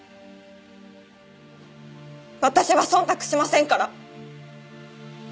私は忖度しませんから。